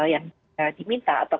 yang diminta atau